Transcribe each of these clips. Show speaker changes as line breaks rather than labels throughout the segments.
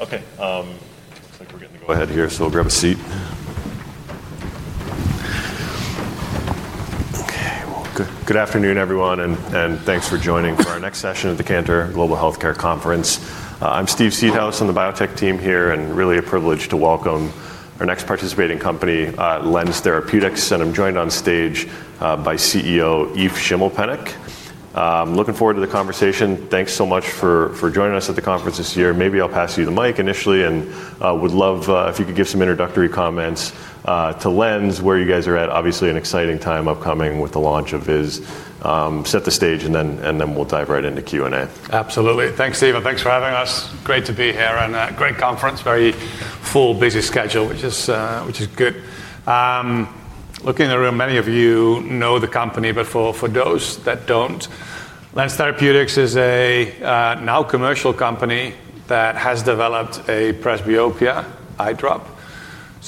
Okay, looks like we're getting a go ahead here, so we'll grab a seat. Good afternoon, everyone, and thanks for joining for our next session at the Cantor Global Healthcare Conference. I'm Steve Seedhouse on the biotech team here, and really a privilege to welcome our next participating company, LENZ Therapeutics. I'm joined on stage by CEO Evert Schimmelpennink. Looking forward to the conversation. Thanks so much for joining us at the conference this year. Maybe I'll pass you the mic initially, and I would love if you could give some introductory comments to LENZ, where you guys are at. Obviously, an exciting time upcoming with the launch of VIZZ. Set the stage, and then we'll dive right into Q&A.
Absolutely. Thanks, Steve, and thanks for having us. Great to be here and a great conference, very full busy schedule, which is good. Looking in the room, many of you know the company, but for those that don't, LENZ Therapeutics is a now commercial company that has developed a presbyopia eye drop.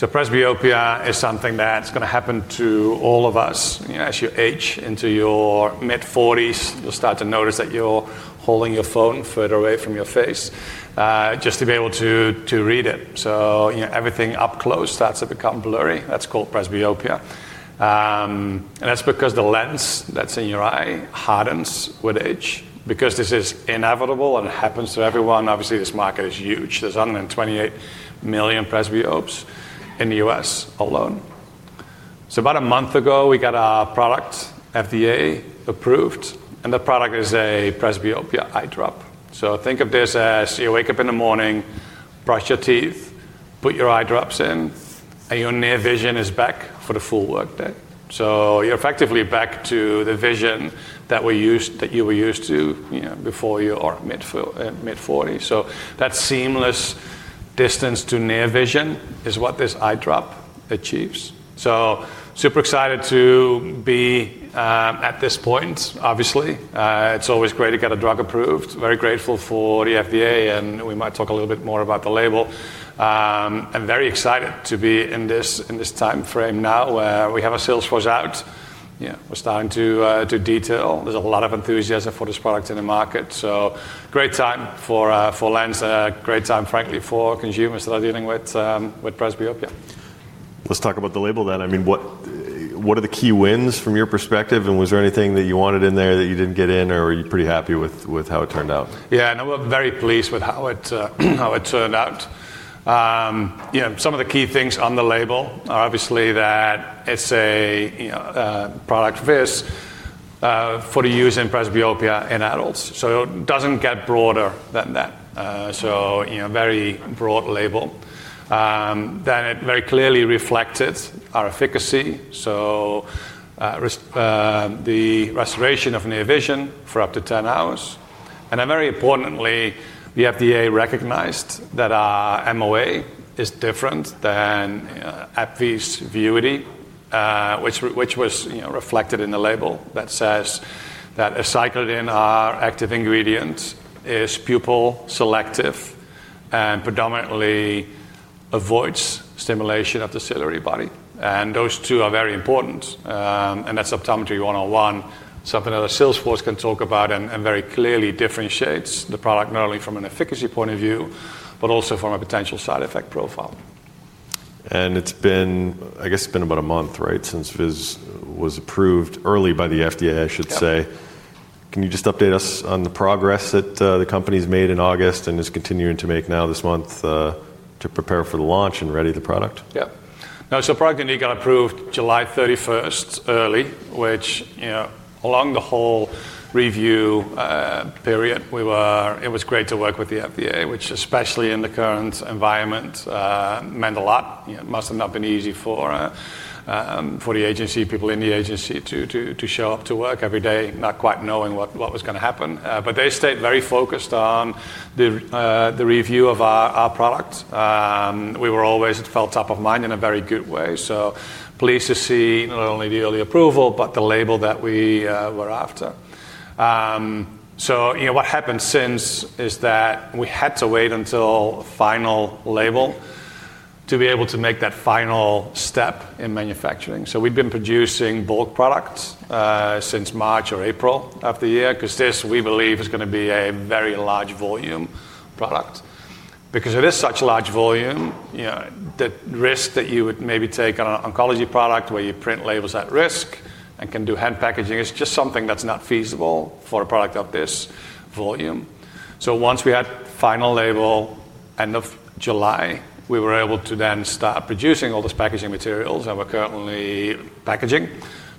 Presbyopia is something that's going to happen to all of us. As you age into your mid-40s, you'll start to notice that you're holding your phone further away from your face just to be able to read it. Everything up close starts to become blurry. That's called presbyopia. That's because the lens that's in your eye hardens with age. Because this is inevitable and happens to everyone, obviously this market is huge. There's 128 million presbyopes in the U.S. alone. About a month ago, we got our product FDA- approved, and the product is a presbyopia eye drop. Think of this as you wake up in the morning, brush your teeth, put your eye drops in, and your near vision is back for the full workday. You're effectively back to the vision that you were used to before you were mid-40s. That seamless distance to near vision is what this eye drop achieves. Super excited to be at this point, obviously. It's always great to get a drug approved. Very grateful for the FDA, and we might talk a little bit more about the label. I'm very excited to be in this time frame now where we have a sales force out. We're starting to detail. There's a lot of enthusiasm for this product in the market. Great time for LENZ, great time, frankly, for consumers that are dealing with presbyopia.
Let's talk about the label then. I mean, what are the key wins from your perspective? Was there anything that you wanted in there that you didn't get in, or are you pretty happy with how it turned out?
Yeah, and I'm very pleased with how it turned out. Some of the key things on the label are obviously that it's a product for VIZZ for the use in presbyopia in adults. It doesn't get broader than that, so very broad label. It very clearly reflected our efficacy, the restoration of near vision for up to 10 hours. Very importantly, the FDA recognized that our MOA is different than Vuity, which was reflected in the label that says that aceclidine active ingredient is pupil- selective and predominantly avoids stimulation of the ciliary body. Those two are very important. That's optometry 101, something that a sales force can talk about and very clearly differentiates the product not only from an efficacy point of view, but also from a potential side effect profile.
It’s been about a month since VIZZ was approved early by the FDA, I should say. Can you just update us on the progress that the company's made in August and is continuing to make now this month to prepare for the launch and ready the product?
Yeah. Surprisingly, we got approved July 31st, early, which, you know, along the whole review period, it was great to work with the FDA, which especially in the current environment meant a lot. It must have not been easy for the agency, people in the agency to show up to work every day, not quite knowing what was going to happen. They stayed very focused on the review of our product. We were always, it felt, top of mind in a very good way. Pleased to see not only the early approval, but the label that we were after. What happened since is that we had to wait until the final label to be able to make that final step in manufacturing. We've been producing bulk products since March or April of the year because this, we believe, is going to be a very large volume product. Because it is such a large volume, the risk that you would maybe take on an oncology product where you print labels at risk and can do hand packaging is just something that's not feasible for a product of this volume. Once we had the final label end of July, we were able to then start producing all those packaging materials that we're currently packaging.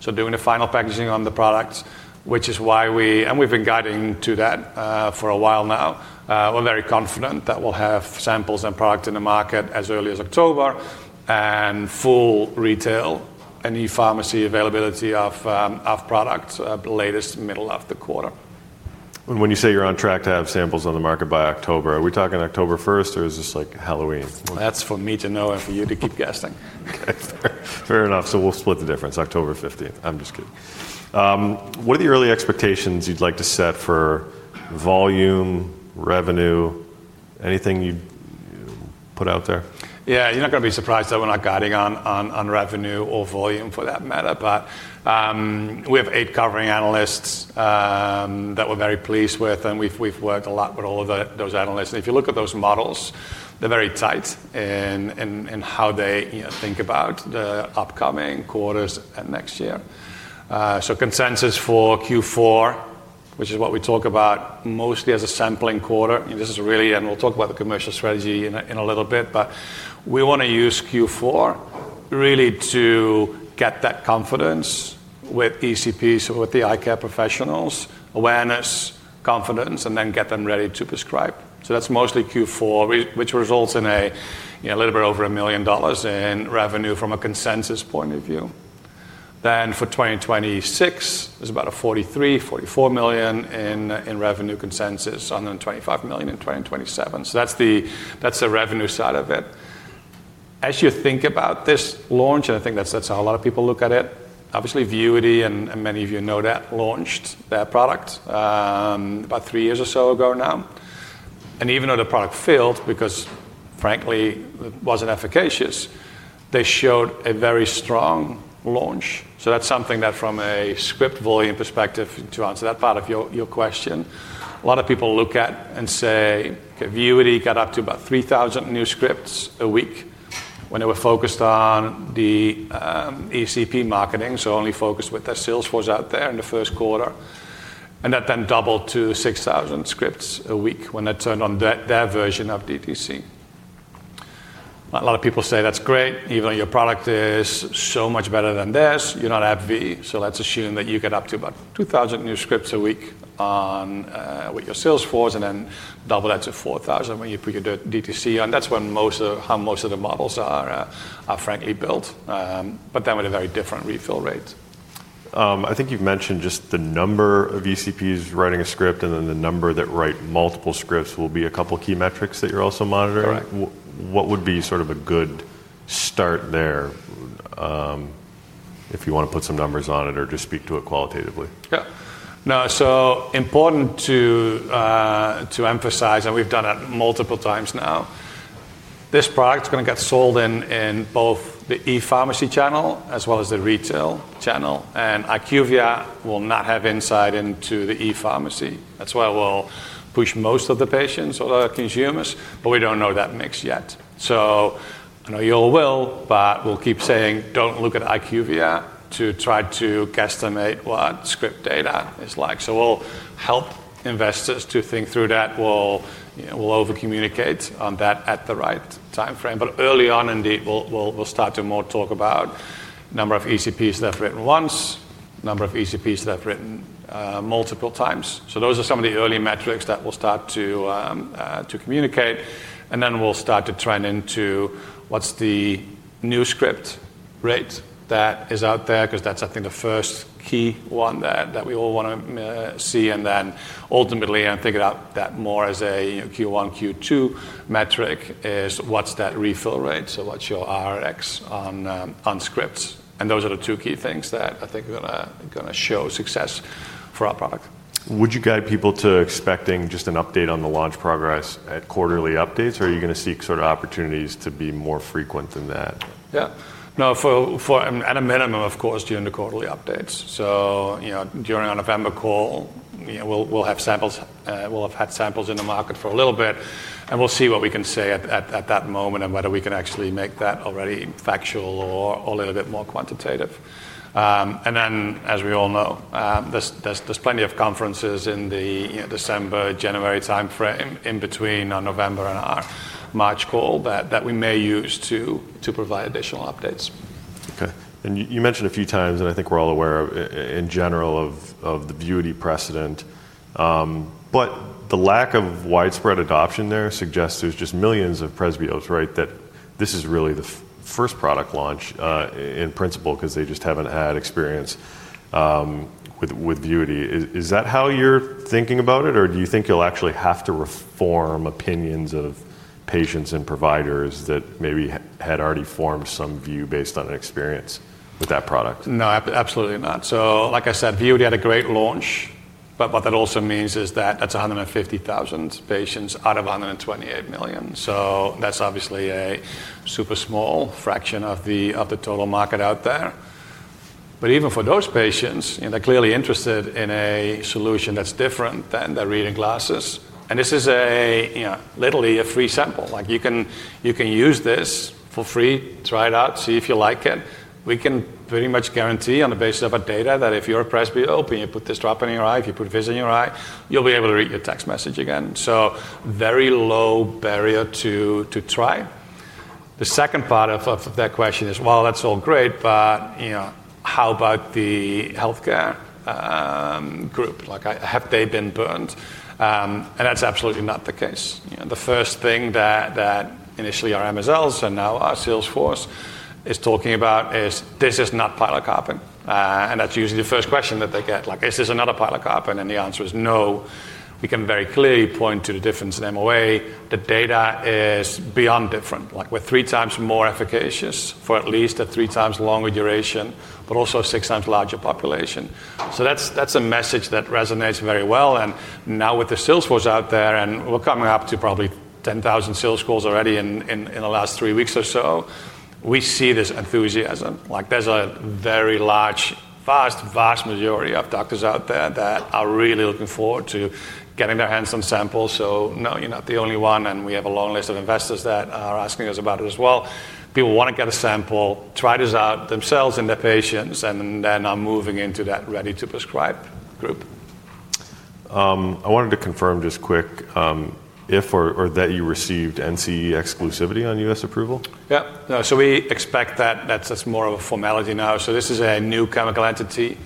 Doing the final packaging on the product, which is why we, and we've been guiding to that for a while now, we're very confident that we'll have samples and products in the market as early as October and full retail and e-pharmacy availability of products at the latest middle of the quarter.
When you say you're on track to have samples on the market by October, are we talking October 1st or is this like Halloween?
That's for me to know and for you to keep guessing.
Fair enough. We'll split the difference, October 15th. I'm just kidding. What are the early expectations you'd like to set for volume, revenue, anything you'd put out there?
Yeah, you're not going to be surprised that we're not guiding on revenue or volume for that matter. We have eight covering analysts that we're very pleased with, and we've worked a lot with all of those analysts. If you look at those models, they're very tight in how they think about the upcoming quarters and next year. Consensus for Q4, which is what we talk about mostly as a sampling quarter, is really, and we'll talk about the commercial strategy in a little bit, but we want to use Q4 really to get that confidence with ECP, so with the eye care professionals, awareness, confidence, and then get them ready to prescribe. That's mostly Q4, which results in a little bit over $1 million in revenue from a consensus point of view. For 2026, there's about $43 million- $44 million in revenue consensus, $125 million in 2027. That's the revenue side of it. As you think about this launch, and I think that's how a lot of people look at it, obviously Vuity, and many of you know that, launched their product about three years or so ago now. Even though the product failed because frankly it wasn't efficacious, they showed a very strong launch. That's something that from a script volume perspective, to answer that part of your question, a lot of people look at and say, okay, Vuity got up to about 3,000 new scripts a week when they were focused on the ECP marketing, so only focused with their sales force out there in the first quarter. That then doubled to 6,000 scripts a week when they turned on their version of DTC. A lot of people say that's great, even though your product is so much better than this, you're not at V, so let's assume that you get up to about 2,000 new scripts a week with your sales force and then double that to 4,000 when you put your DTC on. That's when most of how most of the models are, are frankly built, but then with a very different refill rate.
I think you've mentioned just the number of ECPs writing a script and then the number that write multiple scripts will be a couple of key metrics that you're also monitoring. What would be sort of a good start there if you want to put some numbers on it or just speak to it qualitatively?
Yeah. No, so important to emphasize, and we've done it multiple times now, this product's going to get sold in both the e-pharmacy channel as well as the retail channel, and IQVIA will not have insight into the e-pharmacy. That's where we'll push most of the patients or the consumers, but we don't know that mix yet. I know you all will, but we'll keep saying don't look at IQVIA to try to guesstimate what script data is like. We'll help investors to think through that. We'll overcommunicate on that at the right time frame. Early on, we'll start to more talk about the number of ECPs that have written once, the number of ECPs that have written multiple times. Those are some of the early metrics that we'll start to communicate. We'll start to trend into what's the new script rate that is out there, because that's, I think, the first key one that we all want to see. Ultimately, I think about that more as a Q1, Q2 metric is what's that refill rate, so what's your Rx on scripts. Those are the two key things that I think are going to show success for our product.
Would you guide people to expecting just an update on the launch progress at quarterly updates, or are you going to seek sort of opportunities to be more frequent than that?
Yeah, for at a minimum, of course, during the quarterly updates. During our November call, we'll have samples, we'll have had samples in the market for a little bit, and we'll see what we can say at that moment and whether we can actually make that already factual or a little bit more quantitative. As we all know, there's plenty of conferences in the December, January time frame in between our November and our March call that we may use to provide additional updates.
Okay, and you mentioned a few times, and I think we're all aware in general of the Vuity precedent, but the lack of widespread adoption there suggests there's just millions of presbyopes, right? That this is really the first product launch in principle because they just haven't had experience with Vuity. Is that how you're thinking about it, or do you think you'll actually have to reform opinions of patients and providers that maybe had already formed some view based on an experience with that product?
No, absolutely not. Like I said, Vuity had a great launch, but what that also means is that that's 150,000 patients out of 128 million. That's obviously a super small fraction of the total market out there. Even for those patients, they're clearly interested in a solution that's different than their reading glasses. This is literally a free sample. You can use this for free, try it out, see if you like it. We can pretty much guarantee on the basis of our data that if you're a presbyope and you put this drop in your eye, if you put VIZZ in your eye, you'll be able to read your text message again. Very low barrier to try. The second part of that question is, that's all great, but how about the healthcare group? Have they been burned? That's absolutely not the case. The first thing that initially our MSLs and now our sales force is talking about is this is not pilocarpine. That's usually the first question that they get. Is this another pilocarpine? The answer is no. We can very clearly point to the difference in MOA. The data is beyond different. We're 3x more efficacious for at least a 3x longer duration, but also a 6x larger population. That's a message that resonates very well. Now with the sales force out there, and we're coming up to probably 10,000 sales calls already in the last three weeks or so, we see this enthusiasm. There's a very large, vast, vast majority of doctors out there that are really looking forward to getting their hands on samples. No, you're not the only one. We have a long list of investors that are asking us about it as well. People want to get a sample, try this out themselves in their patients, and then are moving into that ready to prescribe group.
I wanted to confirm just quick if you received NCE exclusivity on U.S. approval.
Yeah, no, we expect that that's more of a formality now. This is a new chemical entity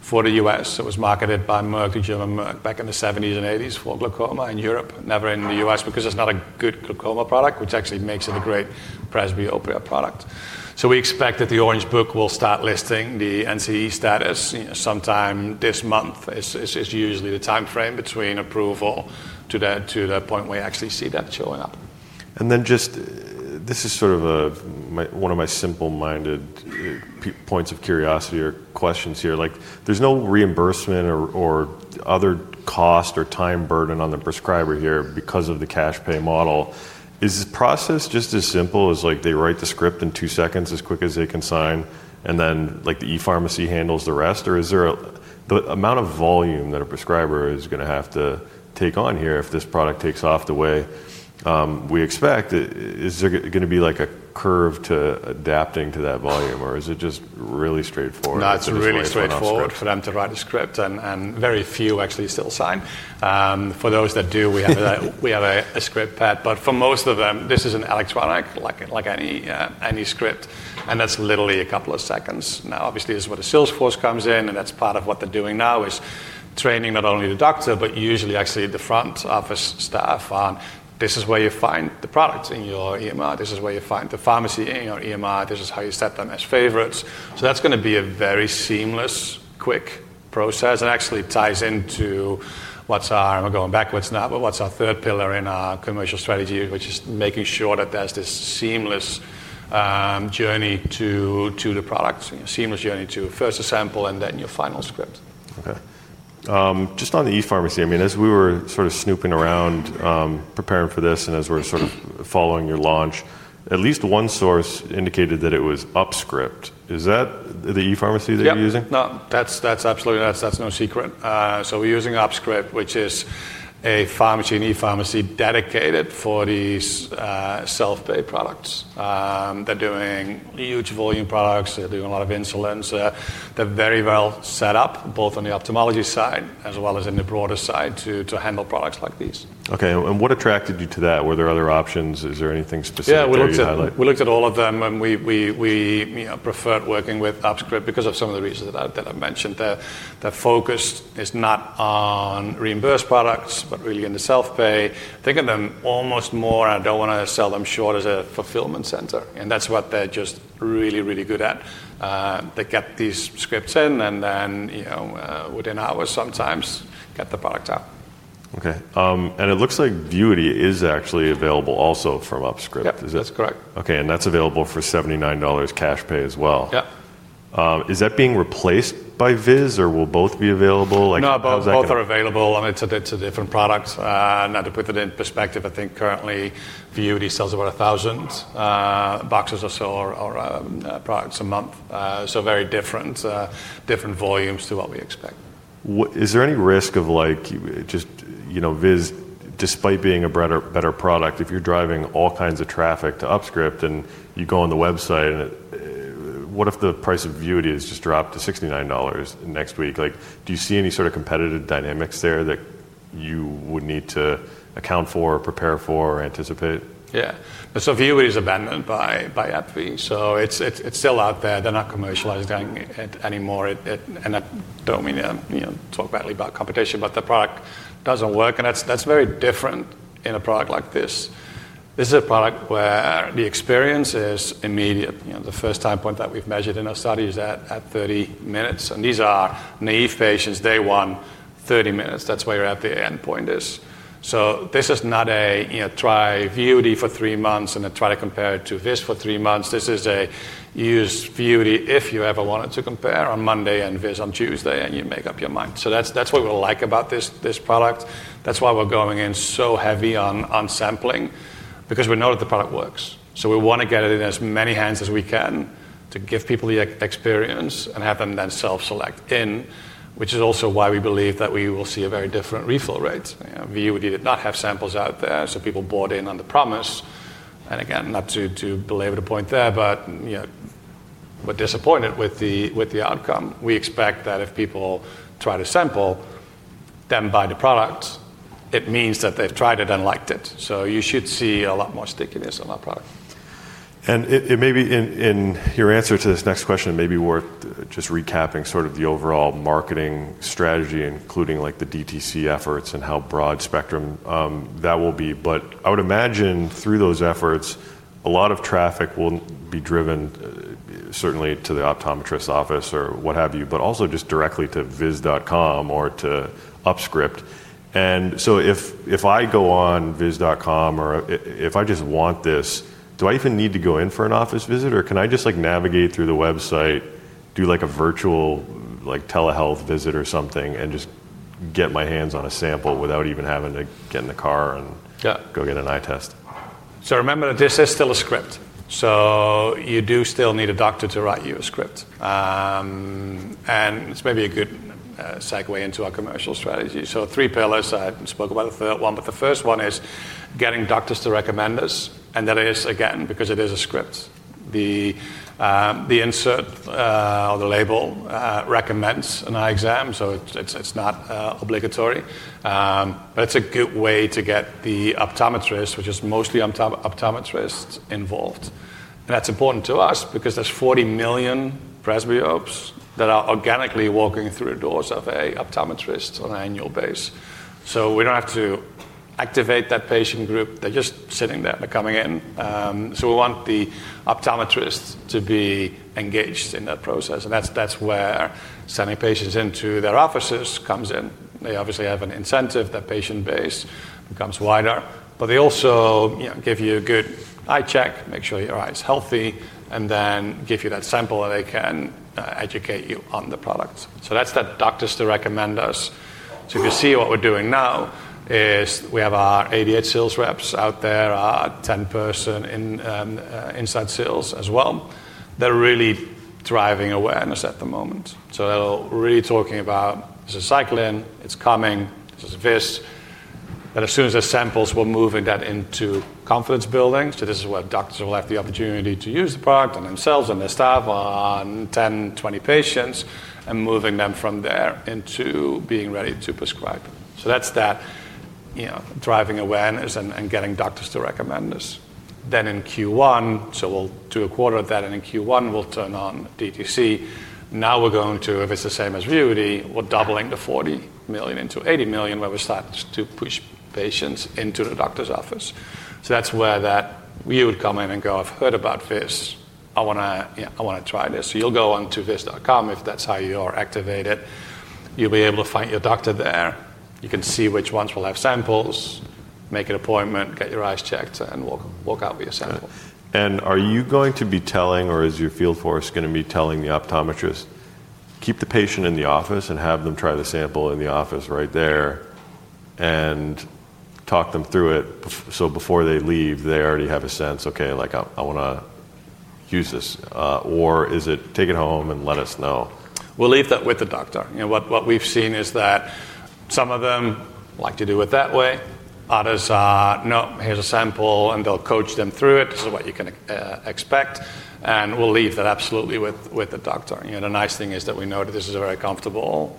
for the U.S. It was marketed by Merck, the German Merck, back in the 1970s and 1980s for glaucoma in Europe, never in the U.S. because it's not a good glaucoma product, which actually makes it a great presbyopia product. We expect that the Orange Book will start listing the NCE status sometime this month, which is usually the time frame between approval to the point where you actually see that showing up.
This is sort of one of my simple-minded points of curiosity or questions here. There's no reimbursement or other cost or time burden on the prescriber here because of the cash pay model. Is this process just as simple as they write the script in two seconds as quick as they can sign, and then the e-pharmacy handles the rest? Is the amount of volume that a prescriber is going to have to take on here, if this product takes off the way we expect, going to be like a curve to adapting to that volume, or is it just really straightforward?
No, it's really straightforward for them to write a script, and very few actually still sign. For those that do, we have a script pack, but for most of them, this is an electronic, like any script, and that's literally a couple of seconds. Obviously, this is where the sales force comes in, and that's part of what they're doing now is training not only the doctor, but usually actually the front office staff on this is where you find the products in your EMR. This is where you find the pharmacy in your EMR. This is how you set them as favorites. That's going to be a very seamless, quick process, and actually ties into what's our, I'm going backwards now, but what's our third pillar in our commercial strategy, which is making sure that there's this seamless journey to the products, seamless journey to first a sample and then your final script.
Okay. Just on the e-pharmacy, as we were sort of snooping around preparing for this and as we're sort of following your launch, at least one source indicated that it was UpScript. Is that the e-pharmacy that you're using?
No, that's absolutely not. That's no secret. We're using UpScript, which is a pharmacy and e-pharmacy dedicated for these self-pay products. They're doing huge volume products. They're doing a lot of insulins. They're very well set up both on the ophthalmology side as well as in the broader side to handle products like these.
Okay. What attracted you to that? Were there other options? Is there anything specific?
Yeah, we looked at all of them, and we preferred working with UpScript because of some of the reasons that I've mentioned there. Their focus is not on reimbursed products, but really in the self-pay. I think of them almost more, and I don't want to sell them short, as a fulfillment center. That's what they're just really, really good at. They get these scripts in and then, you know, within hours sometimes get the product out.
Okay. It looks like Vuity is actually available also from UpScript.
That's correct.
Okay, that's available for $79 cash pay as well.
Yeah.
Is that being replaced by VIZZ or will both be available?
No, both are available. I mean, it's a bit of different products. Now to put it in perspective, I think currently Vuity sells about 1,000 boxes or so or products a month. Very different, different volumes to what we expect.
Is there any risk of just, you know, VIZZ, despite being a better product, if you're driving all kinds of traffic to UpScript and you go on the website and what if the price of Vuity is just dropped to $69 in the next week? Do you see any sort of competitive dynamics there that you would need to account for or prepare for or anticipate?
Yeah. Vuity is abandoned by AbbVie. It's still out there. They're not commercializing it anymore. I don't mean to talk badly about competition, but the product doesn't work. That's very different in a product like this. This is a product where the experience is immediate. The first time point that we've measured in our study is at 30 minutes. These are naive patients, day one, 30 minutes. That's where your endpoint is. This is not a try Vuity for three months and then try to compare it to VIZZ for three months. This is a use Vuity if you ever wanted to compare on Monday and VIZZ on Tuesday and you make up your mind. That's what we like about this product. That's why we're going in so heavy on sampling because we know that the product works. We want to get it in as many hands as we can to give people the experience and have them then self-select in, which is also why we believe that we will see a very different refill rate. Vuity did not have samples out there, so people bought in on the promise. Again, not to belabor the point there, but we're disappointed with the outcome. We expect that if people try to sample, then buy the product, it means that they've tried it and liked it. You should see a lot more stickiness on our product.
It may be worth just recapping sort of the overall marketing strategy, including the DTC efforts and how broad spectrum that will be. I would imagine through those efforts, a lot of traffic will be driven certainly to the optometrist's office or what have you, but also just directly to VIZZ.com or to UpScript. If I go on VIZZ.com or if I just want this, do I even need to go in for an office visit or can I just navigate through the website, do a virtual telehealth visit or something and just get my hands on a sample without even having to get in the car and go get an eye test?
Remember that this is still a script. You do still need a doctor to write you a script, and this may be a good segue into our commercial strategy. There are three pillars. I hadn't spoken about the third one, but the first one is getting doctors to recommend us. That is, again, because it is a script, the insert or the label recommends an eye exam. It's not obligatory, but it's a good way to get the optometrist, which is mostly optometrists, involved. That's important to us because there are 40 million presbyopes that are organically walking through the doors of an optometrist on an annual basis. We don't have to activate that patient group. They're just sitting there. They're coming in. We want the optometrist to be engaged in that process. That's where sending patients into their offices comes in. They obviously have an incentive; that patient base becomes wider. They also give you a good eye check, make sure your eye is healthy, and then give you that sample that they can educate you on the product. That's that, doctors to recommend us. If you see what we're doing now, we have our AD sales reps out there, our 10-person inside sales as well. They're really driving awareness at the moment. They're really talking about, this is cycling, it's coming, this is this. As soon as there are samples, we're moving that into confidence building. This is where doctors will have the opportunity to use the product on themselves and their staff, on 10- 20 patients, and moving them from there into being ready to prescribe. That's that, driving awareness and getting doctors to recommend us. In Q1, we'll do a quarter of that, and in Q1, we'll turn on DTC. If it's the same as Vuity, we're doubling the 40 million into 80 million where we start to push patients into the doctor's office. That's where you would come in and go, I've heard about this. I want to try this. You'll go on to VIZZ.com if that's how you are activated. You'll be able to find your doctor there. You can see which ones will have samples, make an appointment, get your eyes checked, and walk out with your sample.
Are you going to be telling, or is your field force going to be telling the optometrist, keep the patient in the office and have them try the sample in the office right there and talk them through it so before they leave, they already have a sense, okay, like I want to use this, or is it take it home and let us know?
We'll leave that with the doctor. What we've seen is that some of them like to do it that way. Others are, no, here's a sample and they'll coach them through it. This is what you can expect. We'll leave that absolutely with the doctor. The nice thing is that we know that this is a very comfortable,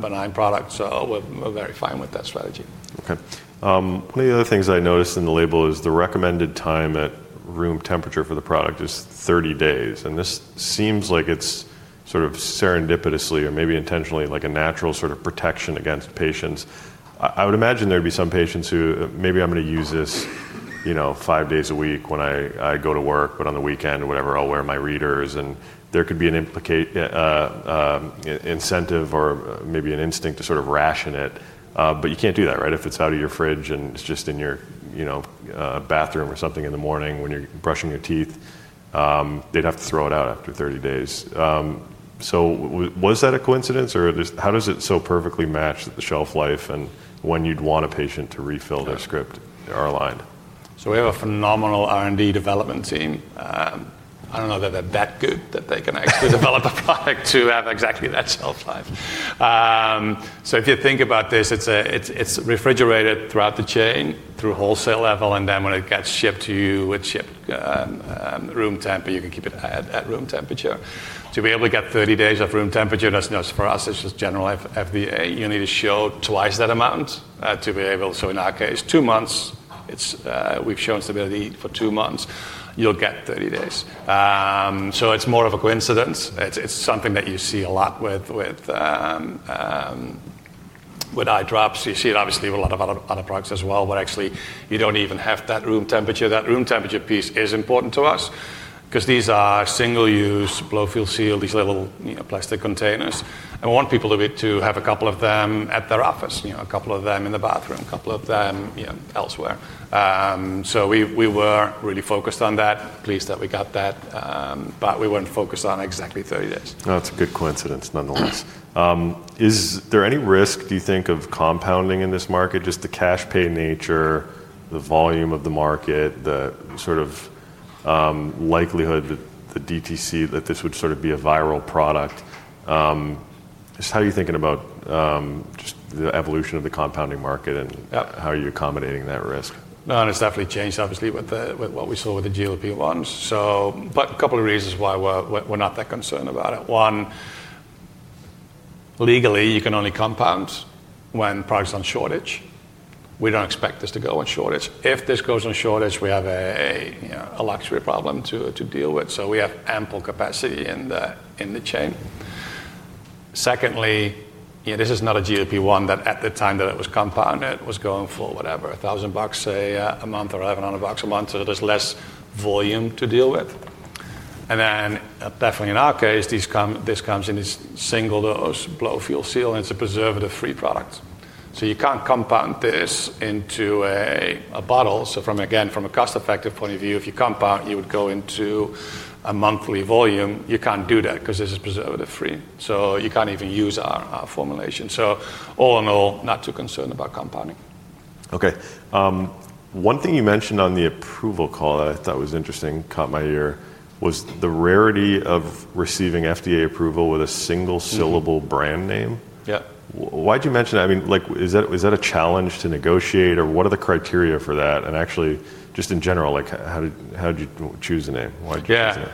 benign product. We're very fine with that strategy.
Okay. One of the other things I noticed in the label is the recommended time at room temperature for the product is 30 days. This seems like it's sort of serendipitously or maybe intentionally like a natural sort of protection against patients. I would imagine there'd be some patients who maybe are going to use this, you know, five days a week when I go to work, but on the weekend or whatever, I'll wear my readers. There could be an incentive or maybe an instinct to sort of ration it. You can't do that, right? If it's out of your fridge and it's just in your, you know, bathroom or something in the morning when you're brushing your teeth, they'd have to throw it out after 30 days. Was that a coincidence or how does it so perfectly match the shelf life and when you'd want a patient to refill their script are aligned?
We have a phenomenal R&D development team. I don't know that they're that good that they can actually develop a product to have exactly that shelf life. If you think about this, it's refrigerated throughout the chain through wholesale level. When it gets shipped to you, it's shipped at room temperature. You can keep it at room temperature. To be able to get 30 days of room temperature, that's not just for us, it's just general FDA. You need to show twice that amount to be able. In our case, two months, we've shown stability for two months, you'll get 30 days. It's more of a coincidence. It's something that you see a lot with eye drops. You see it obviously with a lot of other products as well, but actually you don't even have that room temperature. That room temperature piece is important to us because these are single-use blow-fill seal, these little plastic containers. We want people to have a couple of them at their office, a couple of them in the bathroom, a couple of them elsewhere. We were really focused on that. Pleased that we got that, but we weren't focused on exactly 30 days.
That's a good coincidence nonetheless. Is there any risk, do you think, of compounding in this market? Just the cash pay nature, the volume of the market, the sort of likelihood that the DTC, that this would sort of be a viral product. How are you thinking about the evolution of the compounding market and how are you accommodating that risk?
No, it's definitely changed, obviously, with what we saw with the GLP-1s. A couple of reasons why we're not that concerned about it. One, legally you can only compound when products are on shortage. We don't expect this to go on shortage. If this goes on shortage, we have a luxury problem to deal with. We have ample capacity in the chain. Secondly, this is not a GLP-1 that at the time that it was compounded, it was going for, whatever, $1,000 - $1,100 a month. There's less volume to deal with. In our case, this comes in this single dose blow-fill seal, and it's a preservative-free product. You can't compound this into a bottle. From a cost-effective point of view, if you compound, you would go into a monthly volume. You can't do that because this is preservative-free. You can't even use our formulation. All in all, not too concerned about compounding.
Okay. One thing you mentioned on the approval call that I thought was interesting, caught my ear, was the rarity of receiving FDA approval with a single syllable brand name.
Yeah.
Why'd you mention that? I mean, is that a challenge to negotiate or what are the criteria for that? Actually, just in general, how did you choose the name?
Yeah.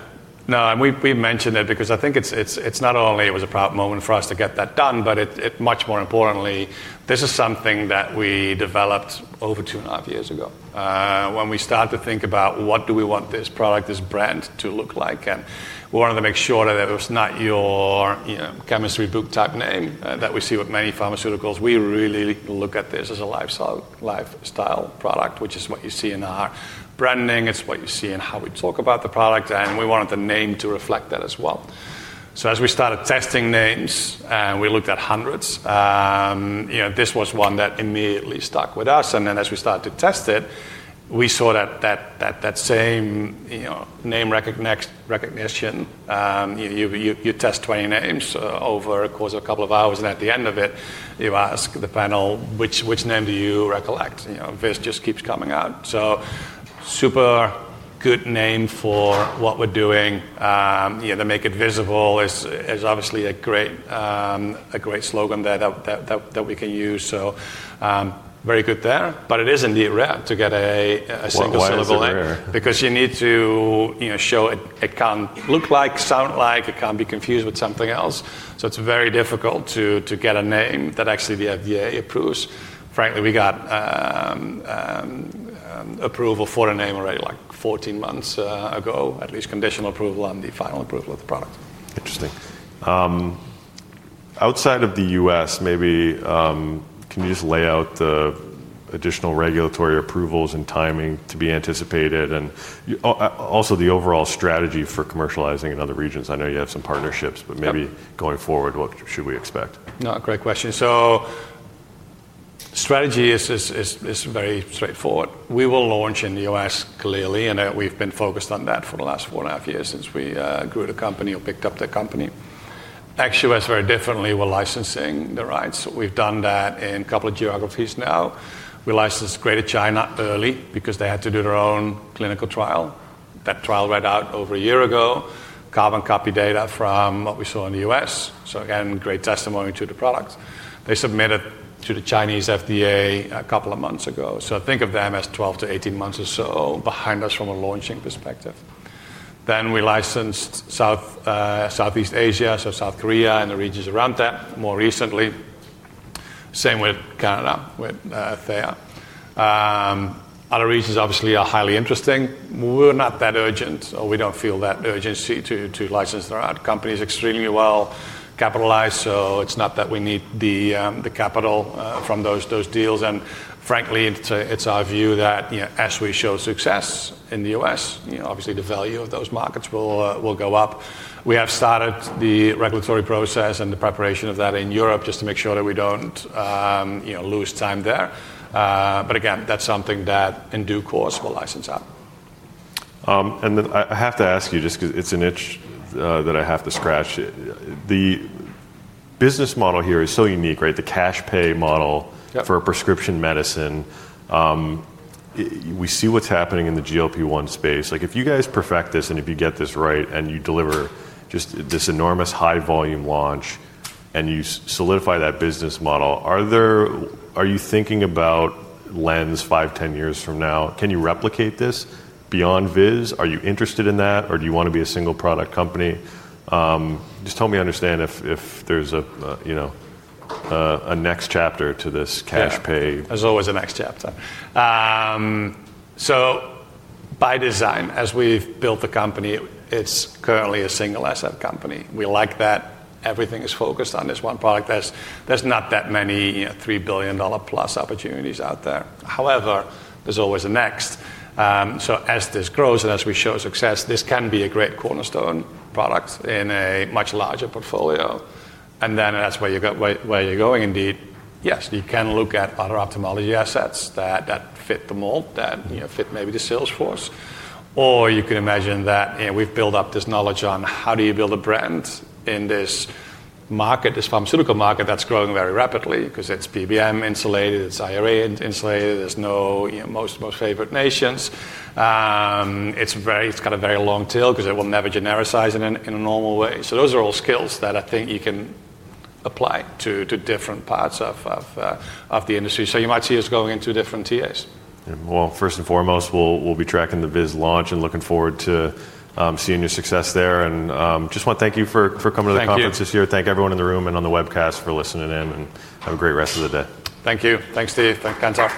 No, and we mentioned it because I think it's not only it was a proud moment for us to get that done, but much more importantly, this is something that we developed over two and a half years ago. When we start to think about what do we want this product, this brand to look like, we wanted to make sure that it was not your chemistry book type name that we see with many pharmaceuticals. We really look at this as a lifestyle product, which is what you see in our branding. It's what you see in how we talk about the product, and we wanted the name to reflect that as well. As we started testing names, we looked at hundreds. This was one that immediately stuck with us. As we started to test it, we saw that same name recognition. You test 20 names over the course of a couple of hours, and at the end of it, you ask the panel, which name do you recollect? This just keeps coming out. Super good name for what we're doing. They make it visible. It's obviously a great slogan there that we can use. Very good there. It is indeed rare to get a single syllable name because you need to show it can look like, sound like, it can be confused with something else. It's very difficult to get a name that actually the FDA approves. Frankly, we got approval for the name already like 14 months ago, at least conditional approval on the final approval of the product.
Interesting. Outside of the U.S., maybe can you just lay out the additional regulatory approvals and timing to be anticipated, and also the overall strategy for commercializing in other regions? I know you have some partnerships, but maybe going forward, what should we expect?
Strategy is very straightforward. We will launch in the U.S. clearly, and we've been focused on that for the last four and a half years since we grew the company or picked up the company. Actually, it was very different. We're licensing the rights. We've done that in a couple of geographies now. We licensed Greater China early because they had to do their own clinical trial. That trial read out over a year ago. Carbon copy data from what we saw in the U.S., great testimony to the product. They submitted to the Chinese FDA a couple of months ago. Think of them as 12 - 18 months or so behind us from a launching perspective. We licensed Southeast Asia, so South Korea and the regions around that more recently. Same with Canada, with [FAIA]. Other regions obviously are highly interesting. We're not that urgent or we don't feel that urgency to license there. Our own company is extremely well capitalized. It's not that we need the capital from those deals. Frankly, it's our view that as we show success in the U.S., the value of those markets will go up. We have started the regulatory process and the preparation of that in Europe just to make sure that we don't lose time there. That is something that in due course we'll license out.
I have to ask you just because it's a niche that I have to scratch. The business model here is so unique, right? The cash pay model for prescription medicine. We see what's happening in the GLP-1 space. If you guys perfect this and if you get this right and you deliver just this enormous high volume launch and you solidify that business model, are you thinking about LENZ five, ten years from now? Can you replicate this beyond VIZZ? Are you interested in that or do you want to be a single product company? Help me understand if there's a, you know, a next chapter to this cash pay.
There's always a next chapter. By design, as we've built the company, it's currently a single asset company. We like that everything is focused on this one product. There's not that many, you know, $3+ billion opportunities out there. However, there's always a next. As this grows and as we show success, this can be a great cornerstone. Products in a much larger portfolio. That's where you're going, indeed. Yes, you can look at other ophthalmology assets that fit the mold, that fit maybe the sales force. You can imagine that we've built up this knowledge on how do you build a brand in this market, this pharmaceutical market that's growing very rapidly because it's PBM-insulated, it's IRA-insulated, there's no, you know, most-favored-nation s. It's got a very long tail because it will never genericize in a normal way. Those are all skills that I think you can apply to different parts of the industry. You might see us going into different tiers.
First and foremost, we'll be tracking the VIZZ launch and looking forward to seeing your success there. I just want to thank you for coming to the conference this year. Thank everyone in the room and on the webcast for listening in, and have a great rest of the day.
Thank you. Thanks, Steve. Thanks, Antoine.